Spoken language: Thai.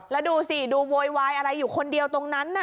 แล้วดูสิดูโวยวายอะไรอยู่คนเดียวตรงนั้นน่ะ